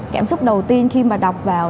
cảm xúc đầu tiên khi mà đọc vào